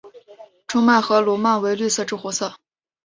中脉和笼蔓为绿色至红色。